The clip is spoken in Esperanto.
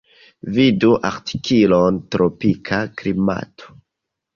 Vidu artikolon tropika klimato.